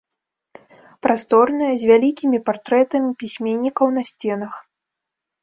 Прасторная, з вялікімі партрэтамі пісьменнікаў на сценах.